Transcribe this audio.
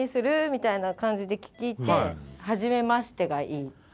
みたいな感じで聞いて「初めまして」がいい。